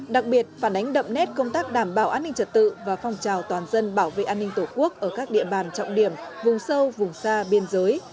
đặc biệt phản ánh đậm nét công tác đảm bảo an ninh trật tự và phong trào toàn dân bảo vệ an ninh tổ quốc ở các địa bàn trọng điểm vùng sâu vùng xa biên giới